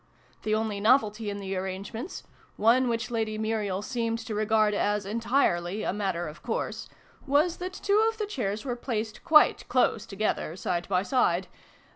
The only novelty in the arrangements (one which Lady Muriel seemed to regard as entirely a matter of course), was that two of the chairs were placed quite close together, side by side.